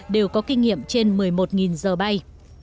đều có kinh nghiệm trên một mươi một giờ bay